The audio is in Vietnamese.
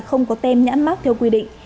không có tem nhãn mát theo quy định